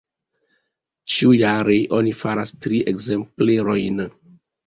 Ĉiujare oni faras tri ekzemplerojn.